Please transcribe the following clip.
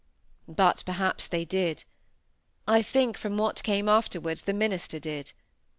But perhaps they did; I think, from what came afterwards, the minister did.